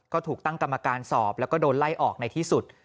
ก็ถูกตั้งกรรมการสอบแล้วก็โดนไล่ออกในที่สุด